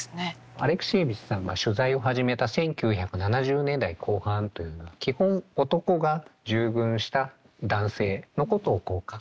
アレクシエーヴィチさんが取材を始めた１９７０年代後半というのは基本男が従軍した男性のことを書くというのが一般的でした。